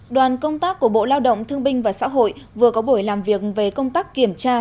đoàn công tác của bộ lao động thương binh và xã hội vừa có buổi làm việc về công tác kiểm tra